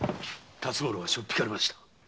辰五郎しょっ引かれました。